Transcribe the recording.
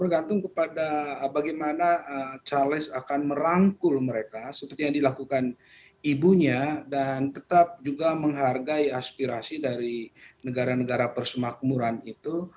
bergantung kepada bagaimana charles akan merangkul mereka seperti yang dilakukan ibunya dan tetap juga menghargai aspirasi dari negara negara persemakmuran itu